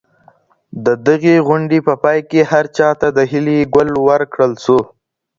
د دغي غونډې په پای کي هر چا ته د هیلې ګل ورکړل سو.